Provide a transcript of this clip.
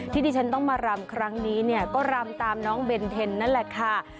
ที่ที่ฉันต้องมารำครั้งนี้เนี่ยก็รำตามน้องเบนเทนนั่นแหละค่ะ